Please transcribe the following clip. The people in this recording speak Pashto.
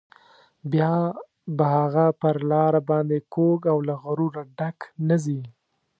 بیا به هغه پر لار باندې کوږ او له غروره ډک نه ځي.